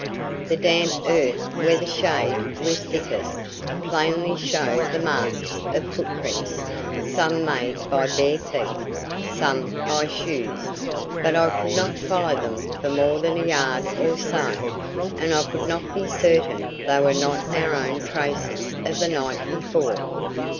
The damp earth where the shade was thickest, plainly showed the marks of foot prints some made by bare feet, some by shoes but I could not follow them for more than a yard or so, and I could not be certain they were not our own traces of the night before.